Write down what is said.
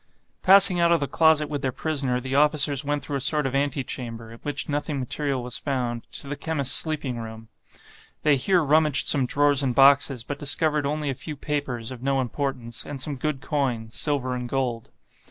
Passing out of the closet with their prisoner, the officers went through a sort of ante chamber, in which nothing material was found, to the chemist's sleeping room. They here rummaged some drawers and boxes, but discovered only a few papers, of no importance, and some good coin, silver and gold.